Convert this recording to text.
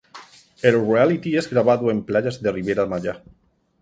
El "reality" es grabado en playas de Riviera Maya.